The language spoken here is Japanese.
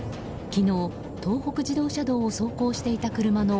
昨日、東北自動車道を走行していた車の